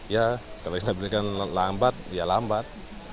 ya kalau kita berikan lambat ya lambat